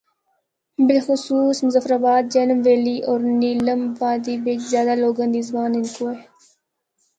بلخصوص مظفرٓاباد، جہلم ویلی ہور نیلم وادی بچ زیادہ لوگاں دی زبان ہندکو ہے۔